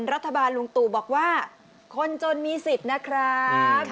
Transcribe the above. ลุงตู่บอกว่าคนจนมีสิทธิ์นะครับ